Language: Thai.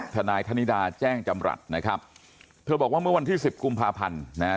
ทนายธนิดาแจ้งจำรัฐนะครับเธอบอกว่าเมื่อวันที่สิบกุมภาพันธ์นะฮะ